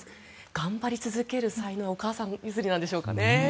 頑張り続ける才能はお母さん譲りなんでしょうかね。